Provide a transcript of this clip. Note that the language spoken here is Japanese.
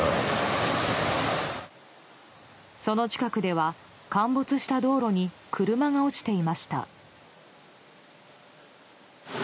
その近くでは陥没した道路に車が落ちていました。